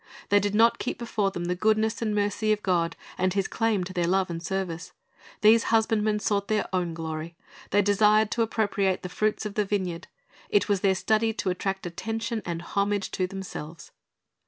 They did not keep before them the goodness and mercy of God and His claim to their love and service. These husbandmen sought their own glory. They desired to appropriate the fruits of the vineyard. It was their study to attract attention and homage to themselves.